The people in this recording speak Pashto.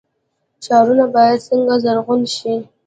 ښارونه باید څنګه زرغون شي؟